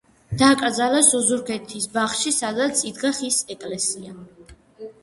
დაკრძალეს ოზურგეთის ბაღში, სადაც იდგა ხის ეკლესია.